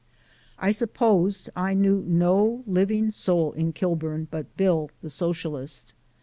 I supposed I knew no living soul in Kilburn but Bill the Socialist.